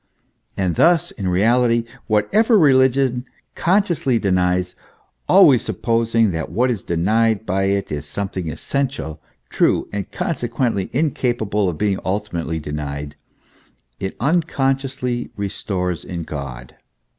And thus, in reality, whatever religion consciously denies always supposing that what is denied by it is something essential, true, and conse quently incapable of being ultimately denied it unconsciously restores in God.